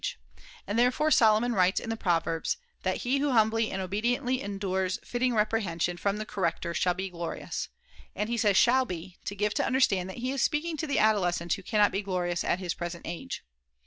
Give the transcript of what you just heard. able in And therefore Solomon writes in the Proverbs ^cei^e ^^^^*^^^^° humbly and obediently endures fitting reprehension from the corrector shall be glorious,' and he says ' shall be ' to give to understand that he is speaking to the adolescent who cannot be glorious at his present age.